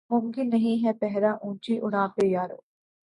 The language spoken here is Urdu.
ممکن نہیں ہے پہرہ اونچی اڑاں پہ یارو